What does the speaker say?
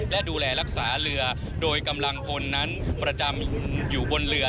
และดูแลรักษาเรือโดยกำลังพลนั้นประจำอยู่บนเรือ